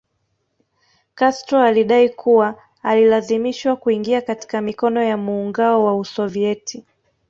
Castro alidai kuwa alilazimishwa kuingia katika mikono ya muungao wa Usovieti